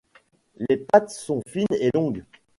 Les pattes sont fines et longues.